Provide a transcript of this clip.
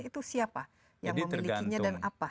itu siapa yang memilikinya dan apa